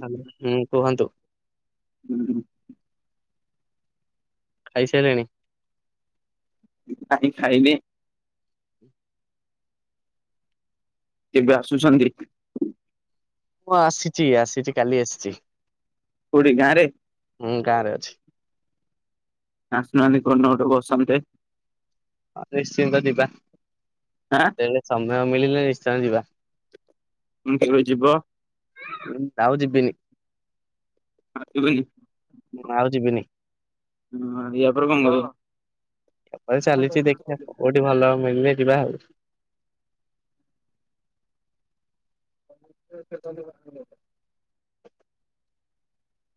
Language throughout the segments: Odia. ହେଲ୍ଲୋ ହୁଁ କୁହନ୍ତୁ। ହୁଁ ହୁଁ। ଖାଇସାଇଲେଣି? ଖାଇନେ। କେବେ ଆସୁଛନ୍ତି? ମୁଁ ଆସିଛି ଆସିଛି କାଲି ଆସିଛି। କଉଡି ଗାଁରେ? ହଁ ଗାଁ ରେ ଅଛି। ଆସୁନାହାନ୍ତି କୋୖଦିନ ଗୋଟେ ବସନ୍ତେ। ହଁ ନିଶ୍ଚିନ୍ତ ଯିବା। ଆଁ ସେମିତି ସମୟ ହ ମିଳିଲେ ନିଶ୍ଚୟ ଯିବା। କେବେ ଯିବ? ଉଂ ଆଉ ଯିବିନି ଆସିବନି ଆଉ ଯିବିନି। [unintelligible] ଏପ ଚାଲିଚି ଦେଖିଆ କୋଉଠି ଭଲ ମିଳଲେ ଯିବା ଆଉ।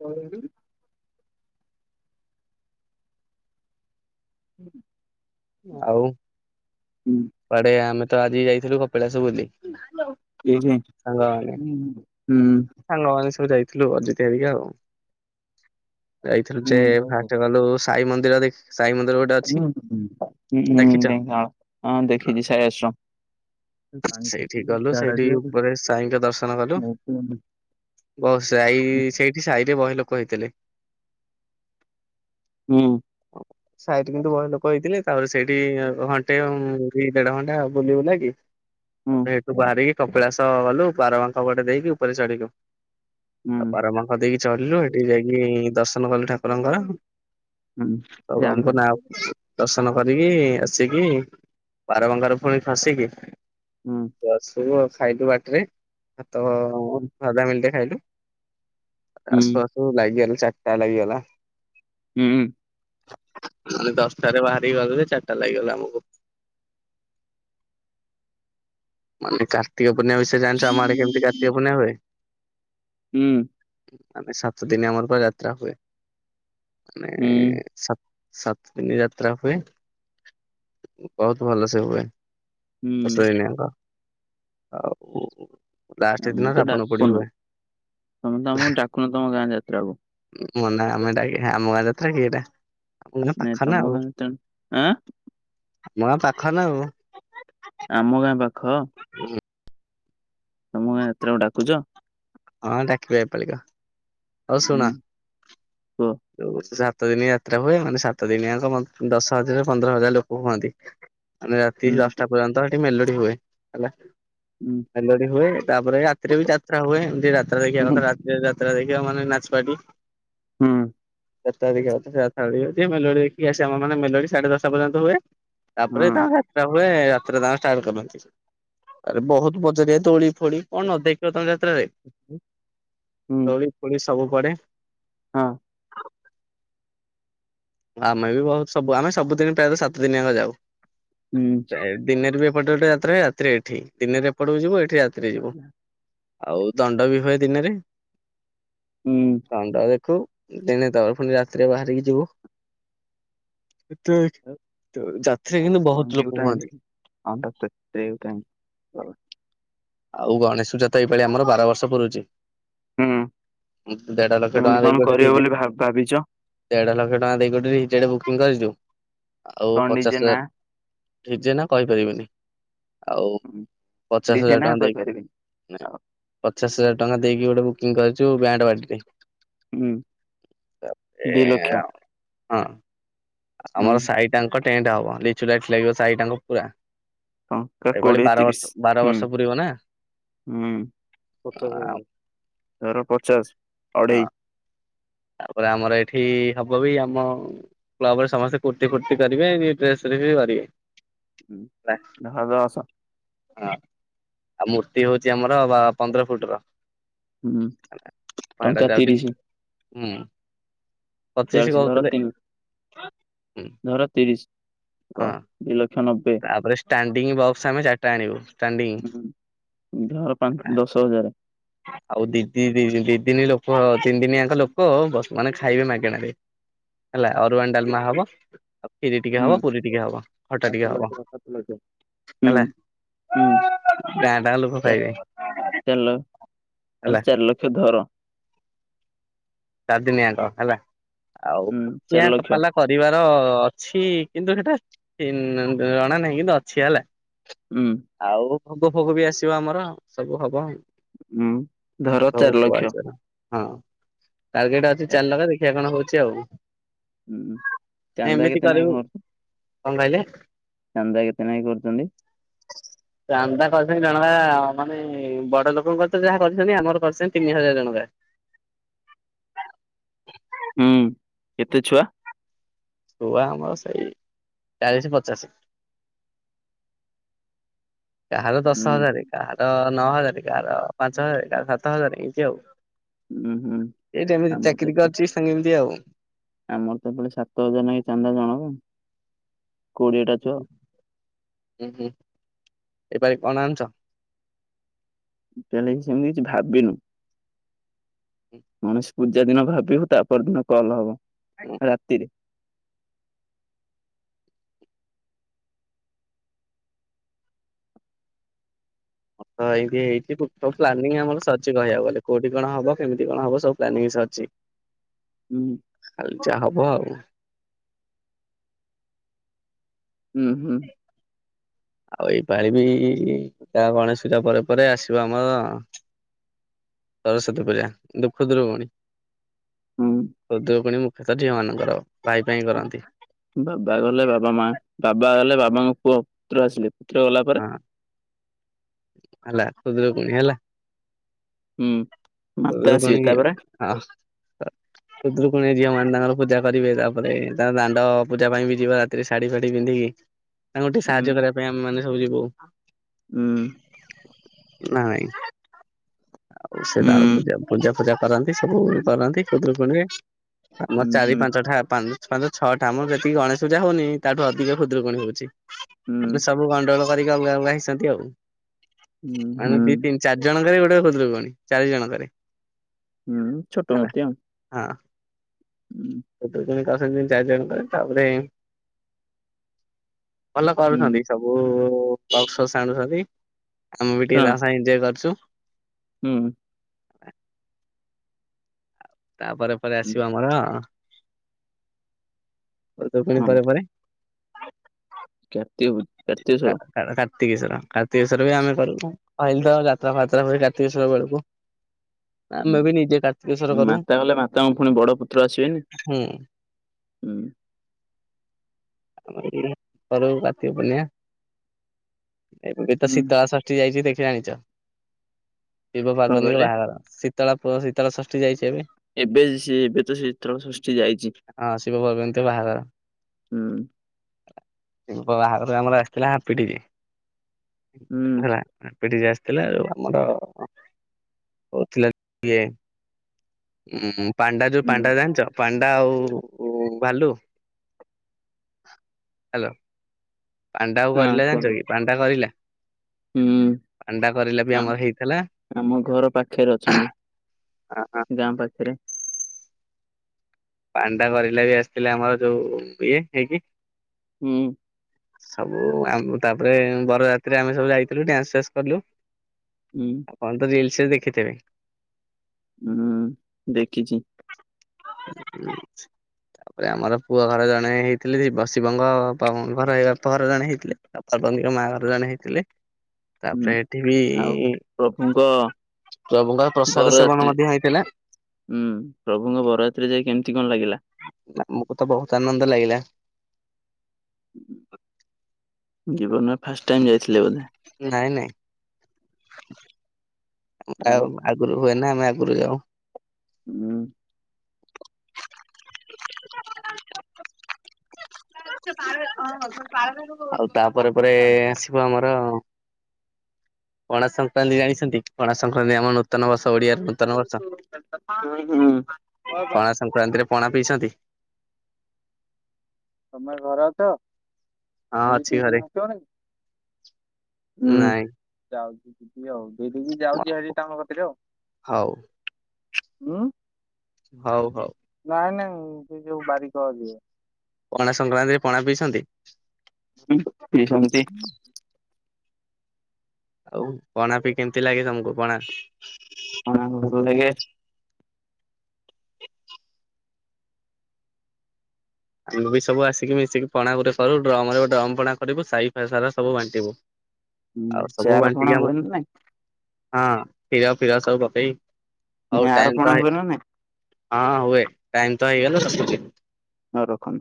କଣ କହିଲୁ? ହୁଁ ଆଉ କୁଆଡେ ଆମେ ତ ଆଜି ଯାଇଥିଲୁ କପିଳାସୁ ବୁଲି। ଏଇଠି ସାଙ୍ଗମାନେ ହୁଁ ସଙ୍ଗାମାନେ ସବୁ ଯାଇ ଥିଲୁ ଅଜିିତ ହରିକା ଆଉ ଯାଇଥିଲୁ ଯେ ହୁଁ ଫାଷ୍ଟେ ଗଲୁ ସାଇ ମନ୍ଦିର ଦେଖ ସାଇ ମନ୍ଦିର ଗୋଟେ ଅଛି। ହୁଁ ହୁଁ ଦେଖିଛ? ଢେଙ୍କାନାଳ ହଁ ଦେଖିଚି ସାଇ ଆଶ୍ରମ। ହୁଁ ସେଇଠି ଗଲୁ ସେଇଠି ଉପରେ ସାଇଙ୍କ ଦର୍ଶନ କଲୁ। ହୁଁ ବସ୍ ଯାଇକି ସେଇଠି ସାଇରେ ବହେ ଲୋକ ହେଇଥିଲେ। ହୁଁ। ସାଇଠି କିନ୍ତୁ ବୋହୁତ ଲୋକ ହେଇଥିଲେ ତାପରେ ସେଇଠି ଘଣ୍ଟେ କି ଦେଢ ଘଣ୍ଟା ବୁଲିିବୁଲା କି ହୁଁ। ତାପରେ ହେଠୁ ବାହାରିକି କପିଳାସ ଗଲୁ ବାରମାଖ ପଟେ ଦେଇକି ଉପରେ ଚଢିଲୁ ଆଉ ହୁଁ ବାରମାଖ ଦେଇକି ଚଢିଲ ହେଠି ଯାଇକି ଦର୍ଶନ କଲୁ ଠାକୁରଙ୍କର। ସବୁ ଯାଆନ୍ତୁ ଆମକୁ ନାଁ ଦର୍ଶ ନ କରିକି ଆସିକି ବାର ବଙ୍କାରେ ପୁଣି ଫସିକି ହୁଁ ଆସିଲୁ ଆ ଖାଇଲୁ ବାଟରେ ଭାତ ହୁଁ ସାଧା ମିଲଟେ ଖାଇଲୁ। ହୁଁ ଆସୁ ଆସୁ ଲାଗିଗଲି ଚାରିଟା ଲାଗିଗଲା। ହୁଁ। ମାନେ ଦଶଟାରେ ବାହାରି ଗଲୁ ଯେ ଚାରିଟା ଲାଗିଗଲା ଆମକୁ। ମାନେ କାର୍ତ୍ତିକ ପୂର୍ଣିମା ବିଷୟରେ ଜାଣିଚ ଆମ ଆଡେ କେମିତି କାର୍ତ୍ତିକ ପୂର୍ଣିମା ହୁଏ? ହୁଁ। ମାନେ ସାତ ଦିନି ଆମର ପୁରା ଯାତ୍ରା ହୁଏ ହୁଁ ମାନେେ ସାତ୍ ସାତ ଦିନି ଯାତ୍ରା ହୁଏ ବୋହୁତ ଭଲସେ ହୁଏ। ହୁଁ ଦଶ ଦିନ ଯାକ ଆଉ ଲାଷ୍ଟ ଦିନ ଆମୁକୁ ତ ରାବଣ ପୋଡି ଡାକୁନ ହୁଏ ତମେ ତ ଆମକୁ ଡାକୁନ ତମ ଗାଁ ଯାତ୍ରାକୁ। ମନା ଆମେ ଡାକିବା ଆମ ଗାଁ ଯାତ୍ରା କି ଏଇଟା? ଆମା ଗାଁ ନାଇଁ ପାଖରେ ନା ତମ ଆଉ ଗାଁ ଯାତ୍ରା ଆଁ ଆମ ଗାଁ ପାଖରେ ନା ଆଉ। ହଁ। ତମ ଗାଁ ଯାତ୍ରାକୁ ଡାକୁଚ? ହଁ ଡାକିବା ଏପାଳିକ ହୋଉ ଶୁଣ ଉଁ କୁହ ଯୋଉ ହୋଉଚି ସା ସାତ ଦିନ ଯାତ୍ରା ହୁଏ ମାନେ ସାତ ଦିନିଆଙ୍କ ବନ୍-ଦଶ ହଜାର ପନ୍ଦର ହଜାର ଲୋକ ହୁଅନ୍ତି। ମାନେ ରାତି ଉଁ ଦଶଟା ପର୍ଯ୍ୟନ୍ତ ହେଠି ମେଲୋଡି ହୁଏ ହେଲା। ଉଁ ମେଲୋଡି ହୁଏ ତାପରେ ରାତିରେ ବି ଯାତ୍ରା ହୁଏ ଏମତି ଯାତ୍ରା ଦେଖିବା ଉଁ, କଥା ରାତିରେ ରା ଯାତ୍ରା ଦେଖିବା ମାନେ ନାଚପଟି। ହୁଁ। ଯାତ୍ରା ଦେଖିବା କଥା ସେରା ଛାଡିବେ ଟିକେ ମେଲୋଡ଼ି ଦେଖି ଆସିବା ଆମେ ମାନେ ସାଢେ ଦଶଟା ପର୍ଯ୍ୟନ୍ତ ହୁଏ। ହୁଁ ତାପରେ ହଁ ତା ଯାତ୍ରା ହୁଏ। ତ୍ରା ତାଙ୍କ ଷ୍ଟାର୍ଟ କରନ୍ତି ତାପରେ ବୋହୁତ ବଜାରେ ଦୋଳି ଫୋଳି କଣ ଭାଇ ନ ଦେଖିବ ତମେ ଯାତ୍ରାରେ ହୁଁ ଦୋଳି ଫୋଳି ସବୁ ପଡେ। ହଁ। ଆମେ ବି ବୋହୁତ ସବୁ ଆମେ ସବୁଦିନ ପ୍ରାୟତଃ ସାତ ଦିନ ଆଙ୍କ ଯାଉ ହୁଁ ଦିନରେ ହୁଏ ଏପଟେ ଗୋଟେ ଯାତ୍ରାରେ ରାତିରେ ଏଠି ଦିନରେ ଏପଟକୁ ଯିବୁ ଏଠି ରାତିରେ ଯିବୁ। ଆଉ ଦଣ୍ଡ ବି ହୁଏ ଦିନରେ ହୁଁ ଦଣ୍ଡ ଦେଖୁ। ଦିନେ ତ ଫୁଣି ରାତିରେ ବାହାରିକି ଯିବୁ। ଯାତ୍ରାରେ କିନ୍ତୁ ବହୁତ ଗଞ୍ଜି ଲୋକ ଗୋଟେ ହୁଅନ୍ତି। ଆଣିଲି [unintelligible] [unintelligible] ଆଉ ଗଣେଶ ପୂଜା ତ ଏଇପାଳି ଆମର ବାର ବର୍ଷ ପୁରୁଛି। ହୁଁ ଦେଢ ଲକ୍ଷ ଟଙ୍କା ଏମିତି କଣ ଦେଇକି କରିବ ଗୋଟେ ବୋଲି [unintelligible] ଭାବ ଭାବିଛ ଦେଢ ଲକ୍ଷ ଟଙ୍କା ଦେଇକି ଗୋଟେ ଡିଜେ ଟେ ବୁକିଂ କରିଛୁ। ଆଉ କଣ ଡିଜେ ପଚାଶ ନା ହଜାର ଠିକ୍ ଯେ ନା କହିପାରିବିନି। ଆଉ ପଚାଶ ଡିଜେ ହଜାର ନା କହିପାରିବିନି ଆଉ। ପଚଶ ହଜାର ଟଙ୍କା ଦେଇକି ଗୋଟେ ବୁକିଂ କରିଛୁ ବ୍ୟାଣ୍ଡ ପାଟିଟେ। ହୁଁ ତାପରେ ଦି ଲକ୍ଷ ହଁ। ହୁଁ ଆମର ସାହି ଟାଙ୍କ ଟେଣ୍ଟ ହବ ଲିଚୁ ଲାଇଟ୍ ଲାଗିବ ସାଇ ଟାଙ୍କ ପୁରା। ଟଙ୍କା ଏପାଳି କୋଡିଏ ବାର ବର୍ଷ ତିରିଶ ବାର ହୁଁ ବର୍ଷ। ପୁରିବ ନା ପଚାଶ ହଁ ହଜାର ଧର ପଚାଶ ଅଡ଼େଇ ତାପରେ ଆମର ଏଠି ହବ ବି ଆମ କ୍ଲବ ରେ ସମସ୍ତେ କୁର୍ତ୍ତି ଫୁର୍ତି କରିବେ ଡ୍ରେସ [unintelligible] ହେଲା ହୁଁ [inaudible] ଆସ। ହଁ ଆଉ ମୂର୍ତ୍ତି ହଉଛି ଆମର ବା ପନ୍ଦର ଫୁଟ ର। ହୁଁ ଭାଡ଼ା ଟଙ୍କା ଯାଉଛି। ତିରିଶ ହୁଁ ଚାଳିଶ ପଚିଶି ଧର କହୁଥିଲେ। ତିନି ଧର ତିରିଶ ହଁ ଦୁଇ ଲକ୍ଷ ନ ତାପରେ ଷ୍ଟାଣ୍ଡିଙ୍ଗ ବକ୍ସ ଆମେ ଚାରିଟା ଆଣିବୁ ଷ୍ଟାଣ୍ଡିଙ୍ଗ ହୁଁ ଧର ପା ଦଶ ହଜାରେ। ଆଉ ଦିଦି ଦି ଦି ଦି ଦିନ ଲୋକ ତିନି ଦିନି ଆଙ୍କ ଲୋକ ବ ମାନେ ଖାଇବେ ମାଗେଣାରେ। ହେଲା ଅରୁଆନ୍ ଡାଲମା ହବ। ଖିରୀ ଟିକେ ହୁଁ ହବ ପୁରୀ ଟିକେ ହବ ଖଟା ପାଞ୍ଚ ଟିକେ ହବ ଲକ୍ଷ ସାତ ଲକ୍ଷ ହୁଁ ହେଲା। ହୁଁ ଗାଁ ଟାଙ୍କ ଲୋକ ଖାଇବେ। ଚାର ଲ ହେଲା ଚାରି ଲକ୍ଷ ଧର। ଚାରଦିନିଆଙ୍କ ହେଲା ଆଉ ହୁଁ ଠିଆ ଚାରି ଲକ୍ଷ ପାଲା କରିବାର ଅଛି କିନ୍ତୁ ସେଟା [inaudible] ଜଣା ନାହିଁ କିନ୍ତୁ ଅଛି ହେଲା। ହୁଁ ଆଉ ଭୋଗ ଫୋଗ ବି ଆସିବ ଆମର ସବୁ ହବ। ହୁଁ ଧର ଭୋଗ ଚାରି ଫୋଗ ଲକ୍ଷ। ଆସିବ ହଁ ଟାର୍ଗେଟ ଅଛି ଚା- ଚାରି ଲକ୍ଷ୍ୟ ଦେଖିଆ କଣ ହଉଛି ଆଉ। ହୁଁ ଚାନ୍ଦା ଏମିତି କେତେ ନାଖେ କରିବୁ କ କଣ କହିଲେ? ଚାନ୍ଦା କେତେ ନାଖେ କରୁଛନ୍ତି? ଚାନ୍ଦା କରିଛନ୍ତି ଜଣକା ମାନେ ବଡ଼ ଲୋକଙ୍କ ତ ଯାହା କରିଛନ୍ତି ଆମର କରିଛନ୍ତି ତିନି ହଜାର ଜଣକା। ହୁଁ କେତେ ଛୁଆ? ଛୁଆ ଆମର ସେଇ ଚାଳିଶି ପଚାଶ। କାହାର ଦଶ ହୁଁ ହଜାରେ କାହାର ନଅ ହଜାରେ କାହାର ପାଞ୍ଚ ହଜାରେ କାହାର ସାତ ହଜାରେ ଈନ୍ତି ଆଉ। ହୁଁ ହୁଁ ଏଇଠି ଏମିତି ଆମତ ଏ ଚାକିରି ତ କରିଛି ସାଙ୍ଗେ ଏମିତି ଆଉ। ଆମର ତ ବୋଲେ ସାତ ହଜାର ନାଖେ ଚାନ୍ଦା ଜଣକା। କୋଡିଏଟା ହୁଁ ଛୁଆ ହୁଁ ହୁଁ ହୁଁ ଏପାଳି କଣ ଆଣୁଚ। ଚାଲେ ସେମିତି ଭାବିବିନୁ ଗଣେଷ ପୂଜା ଦିନ ଭାବିବୁ ତାପର ଦିନ କଲ୍ ହବ ରାତିରେ। ହଁ ଏମିତି ହେଇଛି ସବୁ ପ୍ଲାନିଙ୍ଗ ଆମର ସରିଚି କହିବାକୁ ଗଲେ କୋଉଠି କଣ ହବ କେମିତି କଣ ହବ ସବୁ ପ୍ଲାନିଙ୍ଗ ସରଚି। ହୁଁ। ଯାହା ହବ ଆଉ। ହୁଁ ହୁଁ। ଆଉ ଏଇପାଳିିବି ଗଣେଶ ପୂଜା ପରେ ପରେ ଆସିବ ଆମର। ସରସ୍ଵତୀ ପୂଜା ପୁଣି ଖୁଦୁରୁକୁଣୀ। ହୁଁ ଖୁଦୁରୁକୁଣୀ ମୁଖ୍ୟତଃ ଝିଅ ମାନଙ୍କର ଭାଇ ପାଇଁ କରନ୍ତି। ବାବା ଗଲେ ବାବା ମା ବାବା ଗଲେ ବାବାଙ୍କ ପୁଅ ପୁତ୍ର ଆସିଲେ। ପୁତ୍ର ଗଲା ପରେ ହଁ [inaudible] ହେଲା ଖୁଦୁରୁକୁଣୀ ହେଲା। ହୁଁ। ମାତା ଖୁଦୁରୁକୁଣୀ ଆସିବେ ତାପରେ [unintelligible] ଖୁଦୁରୁକୁଣୀ ଝିଅମାନେ ତାଙ୍କର ର ପୂଜା କରିବେ ତାପରେ ତା ଦାଣ୍ଡ ପୂଜା ପାଇଁ ବି ଯିବ ରାତିରେ ଶାଢୀ ଫାଢୀ ପିନ୍ଧିକି ତାଙ୍କୁ ଟିକେ ହୁଁ ସାହାଯ୍ୟ କରିବା ପାଇଁ ଆମୋନେ ସବୁ ଯିବୁ। ହୁଁ। [inaudible] ନା ନାଇଁ ଆଉ ହୁଁ ସେଟାର ପୂଜାଫୂଜା କରନ୍ତି ସବୁ କରନ୍ତି ଖୁଦୁରୁକୁଣୀରେ ଆମର ହୁଁ ଚାରି ହୁଁ। ପାଞ୍ଚଟା ପା ଞ୍ଚ ଛଅଟା ଆମର ସେତିକି ଗଣେଶ ପୂଜା ହଉନି ତାଠୁ ଅଧିକ ଖୁଦୁରୁକୁଣୀ ହଉଛି ହୁଁ ଆମେ ସବୁ ଗଣ୍ଡଳ କରିକି ଅଗଗ ହେଇଛନ୍ତି ଆଉ [inaudible] ହୁଁ ମାନେ ଦି ହୁଁ ତିନି ଚାରି ଜଣଙ୍କରେ ଗୋଟେ ଖୁଦୁରୁକୁଣୀ ଚାରି ଜଣ କରି। ହୁଁ ଛୋଟ ମୂର୍ତ୍ତି ଆଉ। ହୁଁ ଖୁଦୁରୁକୁଣୀ ଦତ ଜ କଶିନ ଚାରି ଜଣ ପରେ ତାପରେ ଭଲ ହୁଁ କରୁଛନ୍ତି ସବୁ ବକ୍ସ ସାଙ୍ଗସାଥୀ। ଆମେ ବି ଟିକେ ହଁ ତା ସାଙ୍ଗ ଏଞଜୟ କରଛୁ। ହୁଁ। [inaudible] ତାପରେ ପରେ ହୁଁ ଆସିବ ଆମର ପୂର୍ବେ ପୁଣି ପୁଣି ହଁ ପରେ ପରେ କାର୍ତ୍ତିକ ପ କାର୍ତ୍ତିକଶ୍ୱର କାର୍ତିକେଶ୍ୱର କାର୍ତିକେଶ୍ଵର ବି ଆମେ କରୁ କହିଲି ତ ଯାତ୍ରାଫାତ୍ରା କରୁ କାର୍ତ୍ତିକେଶ୍ଵର କରୁ। ଆମେ ବି ନିଜେ କାର୍ତ୍ତିକେଶ୍ଵର ମାତା କଲେ ମାତାଙ୍କ ପୁଣି ବଡ ପୁତ୍ର ଆସିବେନି। ହୁଁ। [inaudible] କରୁ କର୍ତିକପୂର୍ଣୀମା। ଏବେ ବି ତ ହୁଁ ଶୀତଳ ଷଷ୍ଠୀ ଯାଇଛି ଦେଖି ଜାଣିଛ। [inaudible] ଶିବ କଣ ପାର୍ବତିଙ୍କ କହିଲେ ବାହାଘର ଶୀତଳ ଶୀତଳ ଷଷ୍ଠୀ ଯାଇଛି ଏବେ। ଏବେ ସେ ଏବେ ତ ଶୀତଳ ଷଷ୍ଠୀ ଯାଇଛି। [inaudible] ହଁ ଶିବ ହୁଁ [unintelligible] ବାହାରରୁ ଆମର ଆସିଥିଲା ହାପିଟି ଯେ ହୁଁ। ହେଲା [unintelligible] ଥିଲା ଆଉ ଆମର [inaudible] ହଉଥିଲାଏ ଉ ପାଣ୍ଡା ଯୋ ହୁଁ ପାଣ୍ଡା ଜାଣିଛ ପାଣ୍ଡା ଆଉ ଭାଲୁ [inaudible] ହଲୋ। ପାଣ୍ଡା ଆଉ ହଁ ଗରିଲା କୁହନ୍ତୁ ଜାଣିଛକି ପାଣ୍ଡା ଗରିଲା? ହୁଁ ପାଣ୍ଡା ଗରିଲା ବି [inaudible] ଆ ଆମର ହେଇଥିଲା ଆମ ଘର ପାଖରେ ଅଛନ୍ତି।। ହଁ, ଗାଁ ପାଖରେ। ପାଣ୍ଡା କରିଲା ବି ଆସିଥିଲେ ଆମର ଯୋଉ ଇଏ ହେଇକି। ହୁଁ। ସବୁ ଆମ ତାପରେ ବରଯାତ୍ରୀ ଆମେ ସବୁ ଯାଇଥିଲୁ ଡ୍ୟାନ୍ସ ଫାନ୍ସ କଲୁ। ହୁଁ [inaudible] ଆପଣ ତ ରିଲ୍ସ ରେ ଦେଖିଥିବେ। ହୁଁ ଦେଖିଛି। ହୁଁ। ତାପରେ ଆମର ପୁଅ ଘର ଜଣେ ହେଇଥିଲେ ଶିବଙ୍କ ଘର ଘର ଜଣେ ହେଇଥିଲେ ପର୍ବ ମା ଘର ଜଣେ ହେଇଥିଲେ [inaudible] ହୁଁ ତାପରେ ଏଠି ବି ଆଉ ପ୍ରଭୁଙ୍କ [inaudible] ପ୍ରଭୁ ଙ୍କ ପ୍ରସାଦ ସେବନ ବରଯାତ୍ରୀ ମଧ୍ୟ ହେଇଥିଲା। [inaudible] ହୁଁ ପ୍ରଭୁଙ୍କ ବରଯାତ୍ରୀ ଯାଇ କେମିତି କଣ ଲାଗିଲା ଆମକୁ ତ ବହୁତ ଆନନ୍ଦ ଲାଗିଲା। ଜୀବନରେ ଫାଷ୍ଟ ଟାଇମ୍ ଯାଇଥିଲେ ବୋଧେ। ନାଇଁ ନାଇଁ। ଆଉ ଆଗରୁ ହୁଏ ନା ଆମେ ଆଗରୁ ଯାଉ। ହୁଁ। [unintelligible] ଆଉ ତାପରେ ପରେ ଆସିବ ଆମର ପଣା ସଂକ୍ରାନ୍ତି ଜାଣିଛନ୍ତି ପଣା ସଂକ୍ରାନ୍ତି ଆମ ନୂତନ ବର୍ଷ। ଓଡ଼ିଆ ନୂତନ ବର୍ଷ ହଁ ବା ପଣା ସଂକ୍ରାନ୍ତିରେ ପଣା ପିଇଛନ୍ତି? ତମେ ଘରେ ଅଛ? ହଁ ଆଜି ଅଛି ଘରେ ଟ୍ୟୁସନ ଆସିବନି ହୁଁ ନାଇଁ ଯାଉଚି। [unintelligible] ଦେଇ ଦେଇକି ଯାଉଛି ଆରି ତାଙ୍କ କତିରେ ଆଉ ହଉ ହଁ। ହଉ ହଉ। ନାଇଁ ନାଇଁ ସେ ଯୋଉ ବାରିକ ଯିଏ। ପଣା ସଂକ୍ରାନ୍ତିରେ ପଣା ପିଇଛନ୍ତି? [inaudible] ଆଉ ପଣା ବିି କେମତି ଲାଗେ ତମକୁ ପଣା? ପଣା ହୁଏ ଆମେ ବି ସବୁ ଆସିକି ମିଶିକି ପଣା ଗୋଟେ ଡ୍ରମ୍ ରେ ଗୋଟେ ଡ୍ରମ୍ ପଣା କରିବୁ ସାଇ ଫାଇ ସାରା ସବୁ ବାଣ୍ଟିବୁ। ଆଉ ସେ ସବୁ ଆର ପଣା ବାଣ୍ଟିକି ହୁଏ ନା ଆମକୁ ନାଇଁ ହଁ କ୍ଷୀର ଫିର ସବୁ ପକେଇ। ହଉ ନାଇଁ ଟାଇମ ତ ଆରପଣା ହୁଏ ନା ନାଇଁ? ହଁ ହୁଏ ଟାଇମ ହେଇଗଲା ରଖୁଛି। ହଁ ରଖନ